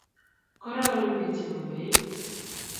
kororon pik chepoipoen